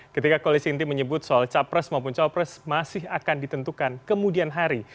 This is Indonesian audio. ketika koalisi inti menyebut soal capres maupun cawapres masih akan ditentukan kemudian hari